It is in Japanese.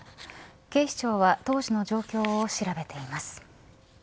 警視庁は当時の状況を調べています。